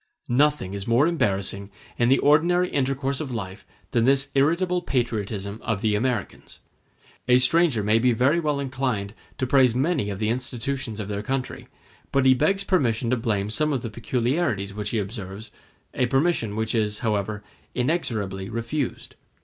Nothing is more embarrassing in the ordinary intercourse of life than this irritable patriotism of the Americans. A stranger may be very well inclined to praise many of the institutions of their country, but he begs permission to blame some of the peculiarities which he observes—a permission which is, however, inexorably refused.